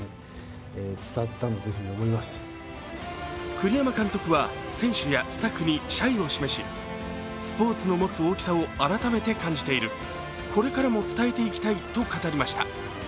栗山監督は選手やスタッフに謝意を示しスポーツの持つ大きさを改めて感じているこれからも伝えていきたいと語りました。